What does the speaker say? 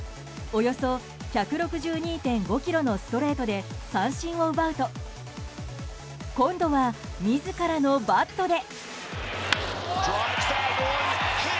およそ１６２．５キロのストレートで三振を奪うと今度は自らのバットで。